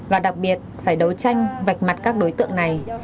và đặc biệt phải đấu tranh vạch mặt các đối tượng này